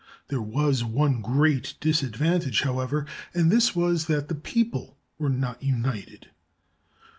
There was one great disadvantage, however, and this was that the people were not united.